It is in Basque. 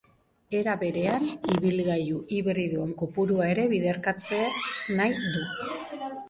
Era berean, ibilgailu hibridoen kopurua ere biderkatzea nahi du.